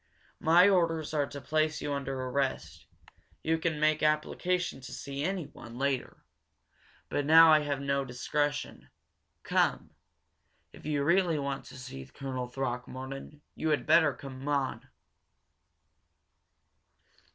"My orders are to place you under arrest. You can make application to see anyone later. But now I have no discretion. Come! If you really want to see Colonel Throckmorton, you had better move on."